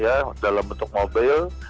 ya dalam bentuk mobil